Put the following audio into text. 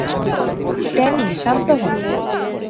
Danny, শান্ত হ।